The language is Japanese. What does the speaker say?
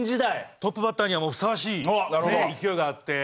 トップバッターにはもうふさわしいね勢いがあって。